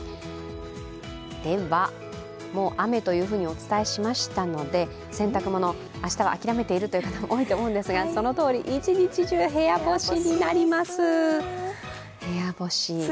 では、雨というふうにお伝えしましたので、洗濯物、明日は諦めている方も多いと思うんですが、そのとおり一日中部屋干しになります。